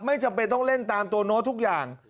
จำเป็นต้องเล่นตามตัวโน้ตทุกอย่าง